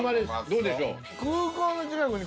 どうでしょう？